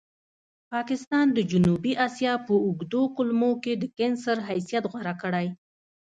پاکستان د جنوبي اسیا په اوږدو کولمو کې د کېنسر حیثیت غوره کړی.